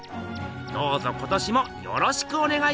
どうぞ今年もよろしくおねがいします！